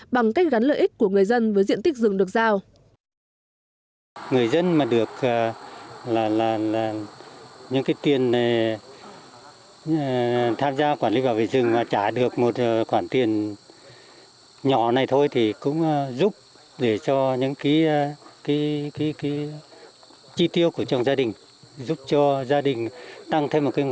bằng cách gắn lợi ích của người dân với diện tích rừng được giao